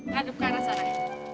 kadup ke arah sana